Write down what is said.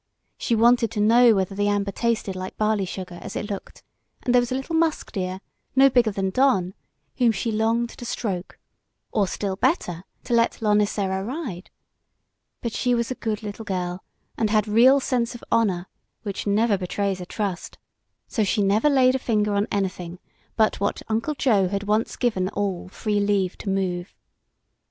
She wanted to know whether the amber tasted like barley sugar as it looked, and there was a little musk deer, no bigger than Don, whom she longed to stroke, or still better to let Lonicera ride; but she was a good little girl, and had real sense of honour, which never betrays a trust, so she never laid a finger on anything but what Uncle Joe had once given all free leave to move.